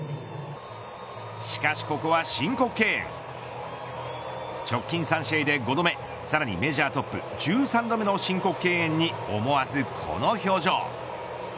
しかしここは申告敬遠直近３試合で５度目さらにメジャートップ１３度目の申告敬遠に思わずこの表情。